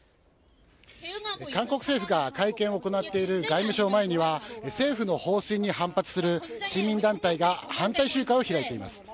韓国政府が会見を行っている外務省前には、政府の方針に反発する市民団体が反対集会を開いています。